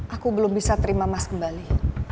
aku belum bisa terima emas kembali